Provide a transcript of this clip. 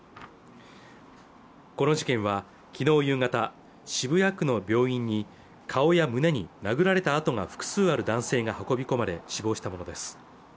この事件は昨日夕方渋谷区の病院に顔や胸に殴られた痕が複数ある男性が運び込まれ死亡したものです